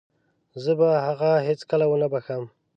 زه به هغه هيڅکله ونه وبښم.